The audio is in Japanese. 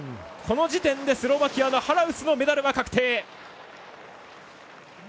この時点でスロバキアのハラウスのメダルが確定。